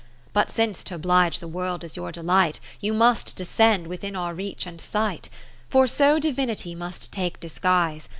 But since t' oblige the world is your delight. You must descend within our reach and sight : 10 For so Divinity must take dis guise.